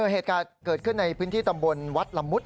เหตุการณ์เกิดขึ้นในพื้นที่ตำบลวัดละมุด